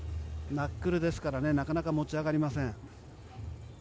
ナックルですからなかなか持ち上がりません。